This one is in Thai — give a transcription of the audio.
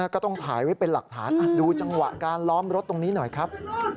ก็ต้องถ่ายไว้เป็นหลักฐานดูจังหวะการล้อมรถตรงนี้หน่อยครับ